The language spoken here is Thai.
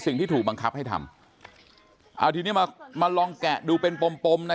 สิ่งที่ถูกบังคับให้ทำเอาทีนี้มามาลองแกะดูเป็นปมปมนะ